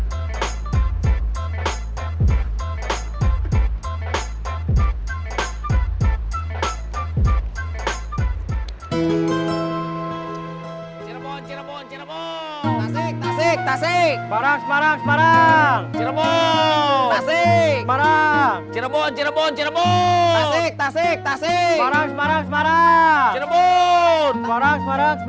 ladang ladang ladang